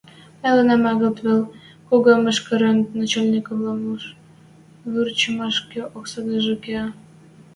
Мӹлӓнем агыл вет, кого мӹшкӹрӓн начальниквлӓм вурчымашкы оксадажы кеӓ.